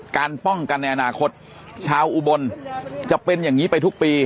การป้องกันในอนาคตชาวอุบลจะเป็นอย่างนี้ไปทุกปี